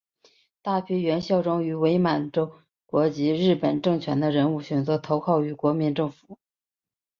大批原效忠于伪满洲国及日本政权的人物选择投靠于国民政府。